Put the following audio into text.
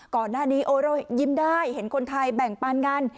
ก่อนหน้านี้โอ้เรายิ้มได้เห็นคนไทยแบ่งปันกัน